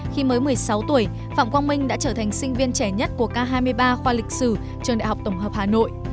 khi mới một mươi sáu tuổi phạm quang minh đã trở thành sinh viên trẻ nhất của k hai mươi ba khoa lịch sử trường đại học tổng hợp hà nội